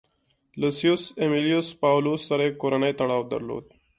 لوسیوس امیلیوس پاولوس سره یې کورنی تړاو درلود